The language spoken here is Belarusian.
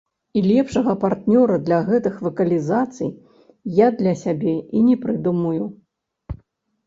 І лепшага партнёра для гэтых вакалізацый я для сябе і не прыдумаю.